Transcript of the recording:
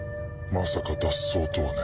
まさか脱走とはね。